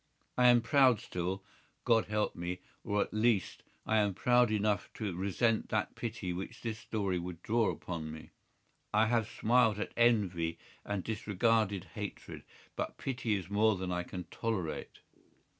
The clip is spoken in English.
I am proud still—God help me!—or, at least, I am proud enough to resent that pity which this story would draw upon me. I have smiled at envy, and disregarded hatred, but pity is more than I can tolerate.